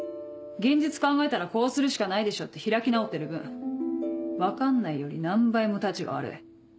現実考えたらこうするしかないでしょって開き直ってる分「分かんない」より何倍もタチが悪い。